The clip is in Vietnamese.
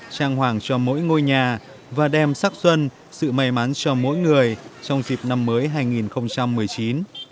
trang hoàng cho mỗi ngôi nhà và đem sắc xuân sự may mắn cho mỗi người trong dịp năm mới hai nghìn một mươi chín